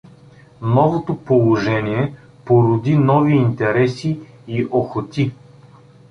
Новото положение породи нови интереси и охоти.